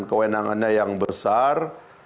kewenangannya yang besar